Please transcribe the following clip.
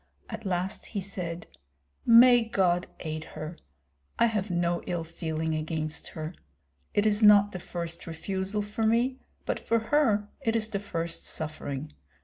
At last he said, "May God aid her! I have no ill feeling against her! It is not the first refusal for me, but for her it is the first suffering.